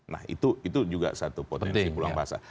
nah itu juga satu potensi pulang pasar